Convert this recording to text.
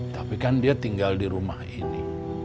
tapi kan dia tinggal di rumah ini